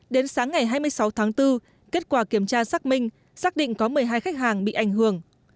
đến sáng ngày hai mươi sáu tháng bốn kết quả kiểm tra xác minh xác định có một mươi hai khách hàng bị ảnh hưởng